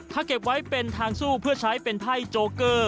ถ้าเก็บไว้เป็นทางสู้เพื่อใช้เป็นไพ่โจเกอร์